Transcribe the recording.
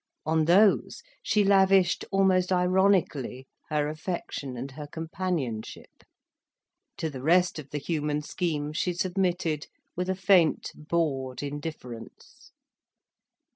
On those she lavished, almost ironically, her affection and her companionship. To the rest of the human scheme she submitted with a faint bored indifference.